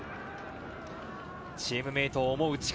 チームメートを思う力。